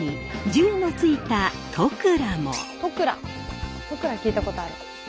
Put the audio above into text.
十倉聞いたことある。